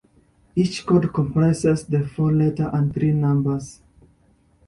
Each code comprises the four letters and three numbers.